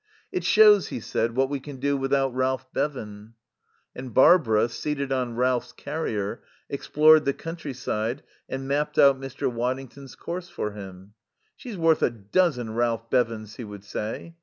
"It shows," he said, "what we can do without Ralph Bevan." And Barbara, seated on Ralph's carrier, explored the countryside and mapped out Mr. Waddington's course for him. "She's worth a dozen Ralph Bevins," he would say.